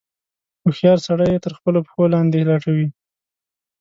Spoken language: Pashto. هوښیار سړی یې تر خپلو پښو لاندې لټوي.